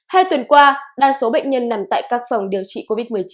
hai tuần qua đa số bệnh nhân nằm tại các phòng điều trị covid một mươi chín